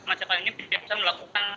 kemacetan ini bisa melakukan